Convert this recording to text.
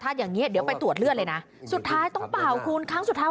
ถ้าอย่างเงี้เดี๋ยวไปตรวจเลือดเลยนะสุดท้ายต้องเป่าคุณครั้งสุดท้าย